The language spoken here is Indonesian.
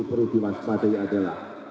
perlu diwaspadi adalah